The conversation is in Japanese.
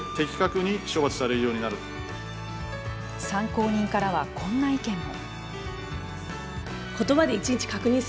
参考人からはこんな意見も。